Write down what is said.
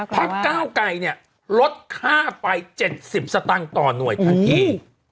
พักก้าวไกรเนี่ยลดค่าไฟ๗๐สตางค์ต่อหน่วยทันที